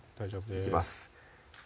いきます